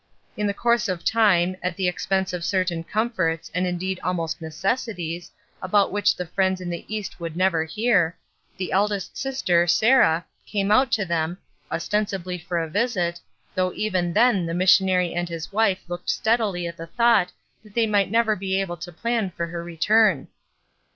In the course of time, at the expense of certain comforts and indeed almost 32 ESTER RIED'S NAMESAKE necessities about which the friends in the East would never hear, the eldest sister, Sarah, came out to them, ostensibly for a visit, though even then the missionary and his wife looked steadily at the thought that they might never be able to plan for her return.